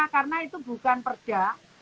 karena itu bukan perda